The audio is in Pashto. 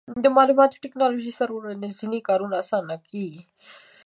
مالوماتي ټکنالوژي سره ورځني کارونه اسانه کېږي.